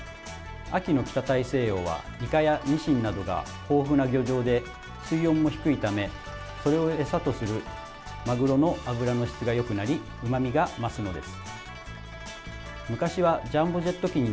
秋の北大西洋はイカやニシンなどが豊富な漁場で水温も低いためそれを餌とするマグロの脂の質がよくなりうまみが増すのです。